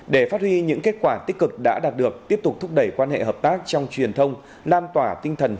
để phát huy những kết quả tích cực đã đạt được tiếp tục thúc đẩy quan hệ hợp tác trong truyền thông lan tỏa tinh thần